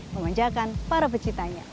memanjakan para pecintanya